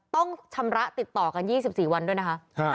ต้องชำระติดต่อกัน๒๔วันด้วยนะคะ